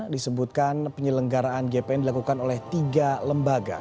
disebutkan penyelenggaraan gpn dilakukan oleh tiga lembaga